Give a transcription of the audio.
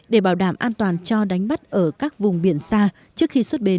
để bảo đảm an toàn cho đánh bắt ở các vùng biển xa trước khi xuất bến